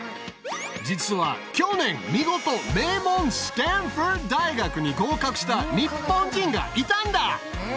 実は去年見事名門スタンフォード大学に合格した日本人がいたんだ！